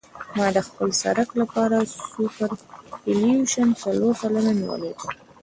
ما د خپل سرک لپاره سوپرایلیویشن څلور سلنه نیولی دی